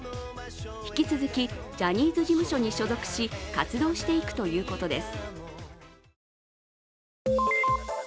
引き続きジャニーズ事務所に所属し、活動していくということです。